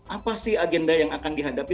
apa sih agenda yang akan dihadapi